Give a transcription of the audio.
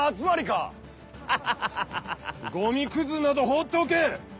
ゴミクズなど放っておけ！